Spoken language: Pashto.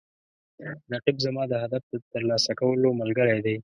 رقیب زما د هدف د ترلاسه کولو ملګری دی